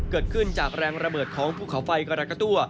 เกิดขึ้นจากแรงระเบิดของภูเขาไฟกรกะตั้ว